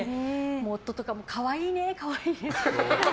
夫とかも可愛いね、可愛いねって。